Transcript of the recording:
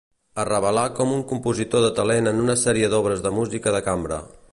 Es revelà com un compositor de talent en una sèrie d'obres de música de cambra.